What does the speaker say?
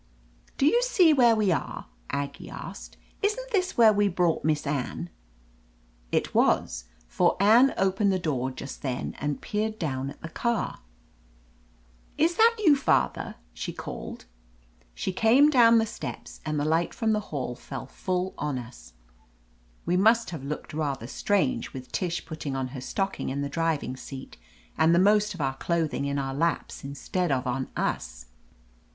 "Do you see where we are?" Aggie asked. "Isn't this where we brought Miss Anne ?" It was, for Anne opened the door just then and peered down at the car. "Is that you, father?" she called. She came 277 THE AMAZING ADVENTURES down the steps, and the light from the hall fell « full on us. jWe must have looked rather strange, with Tish putting on her stocking in the driving seat and the most of our clothing in our laps instead of on us.